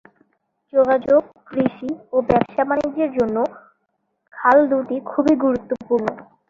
যোগাযোগ, কৃষি ও ব্যবসা-বাণিজ্যের জন্য খাল দুটি খুবই গুরুত্বপূর্ণ।